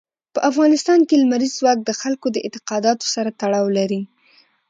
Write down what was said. په افغانستان کې لمریز ځواک د خلکو د اعتقاداتو سره تړاو لري.